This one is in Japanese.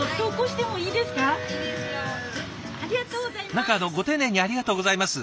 何かあのご丁寧にありがとうございます。